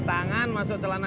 minta aku manifestasi ini